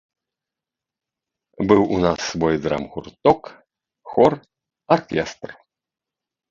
Быў у нас свой драмгурток, хор, аркестр.